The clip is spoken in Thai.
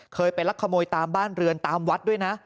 เคยไปลักขโมยตามบ้านเรือนตามวัดด้วยนะ